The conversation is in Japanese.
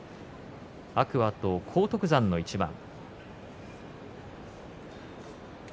天空海と荒篤山の一番。